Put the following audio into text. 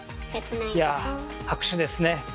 いやぁ拍手ですね。